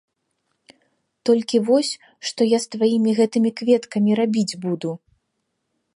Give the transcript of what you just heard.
Толькі вось, што я з тваімі гэтымі кветкамі рабіць буду?